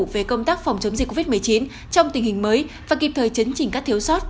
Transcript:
về công tác phòng chống dịch covid một mươi chín trong tình hình mới và kịp thời chấn chỉnh các thiếu sót